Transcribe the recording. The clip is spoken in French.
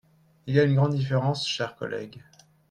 Il y a une grande différence, chers collègues.